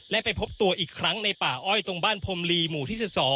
และไปพบตัวอีกครั้งในป่าอ้อยตรงบ้านพรมลีหมู่ที่๑๒